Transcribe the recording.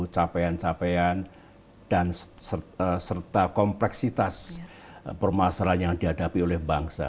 capaian capaian dan serta kompleksitas permasalahan yang dihadapi oleh bangsa